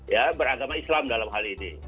ya beragama islam dalam hal ini